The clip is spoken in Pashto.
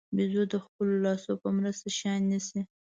بیزو د خپلو لاسونو په مرسته شیان نیسي.